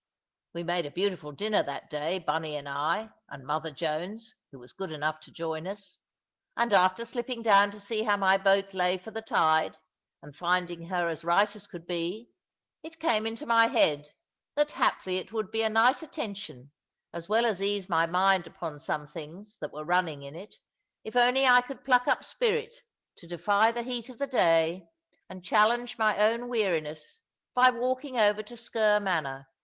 We made a beautiful dinner that day, Bunny and I, and mother Jones, who was good enough to join us; and after slipping down to see how my boat lay for the tide, and finding her as right as could be, it came into my head that haply it would be a nice attention, as well as ease my mind upon some things that were running in it, if only I could pluck up spirit to defy the heat of the day, and challenge my own weariness by walking over to Sker Manor.